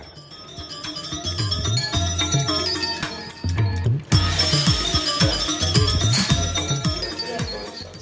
karya seni rupa bali